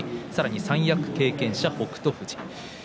三役経験者の北勝富士。